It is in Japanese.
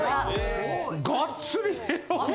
がっつり！